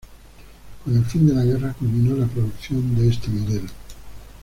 Con el fin de la guerra culminó la producción de este modelo.